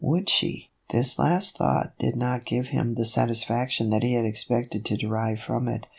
Would she ? This last thought did not give him the satisfaction that he had expected to derive from it.